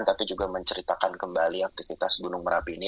tapi juga menceritakan kembali aktivitas gunung merapi ini